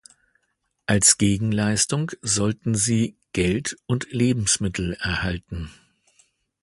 Als Gegenleistung sollten sie Geld und Lebensmittel erhalten.